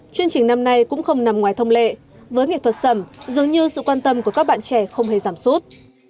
chương trình năm nay cũng không nằm ngoài thông lệ với nghệ thuật sẩm dường như sự quan tâm của các bạn trẻ không hề giảm sút